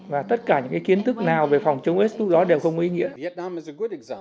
và tất cả những kiến thức nào về phòng chống aids đối với đó đều không có ý nghĩa